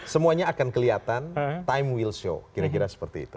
semuanya akan kelihatan time will show kira kira seperti itu